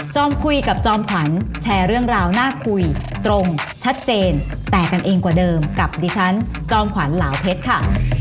คุยกับจอมขวัญแชร์เรื่องราวน่าคุยตรงชัดเจนแตกกันเองกว่าเดิมกับดิฉันจอมขวัญเหลาเพชรค่ะ